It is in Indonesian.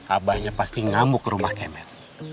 abahnya pasti ngamuk rumah kayak met